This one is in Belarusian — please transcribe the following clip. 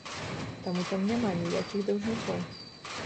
Таму там няма ніякіх даўжнікоў.